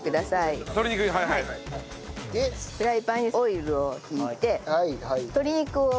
フライパンにオイルを引いて鶏肉を。